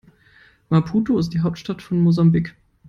Maputo ist die Hauptstadt von Mosambik.